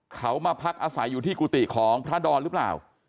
เขามาพักอาศัยอยู่ที่กุฏิของพระดอนหรือเปล่า